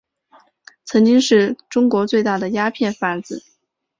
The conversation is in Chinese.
曾经是中国最大的鸦片贩子。